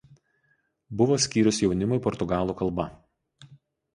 Buvo skyrius jaunimui portugalų kalba.